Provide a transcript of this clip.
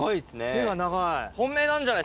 手が長い。